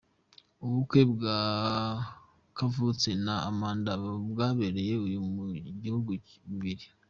Ubukwe bwa Kavutse na Amanda bwabereye mu bihugu bibiri.